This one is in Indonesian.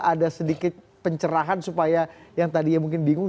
ada sedikit pencerahan supaya yang tadinya mungkin bingung